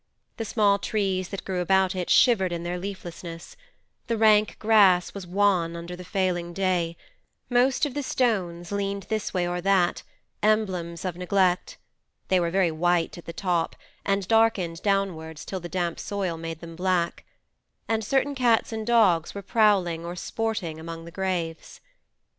The small trees that grew about it shivered in their leaflessness; the rank grass was wan under the failing day; most of the stones leaned this way or that, emblems of neglect (they were very white at the top, and darkened downwards till the damp soil made them black), and certain cats and dogs were prowling or sporting among the graves.